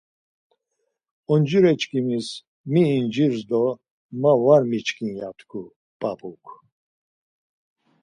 Oncireçkimis mi incirs do ma var miçkin ya tku p̌ap̌uk.